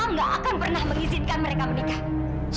nggak akan pernah mengizinkan mereka menikah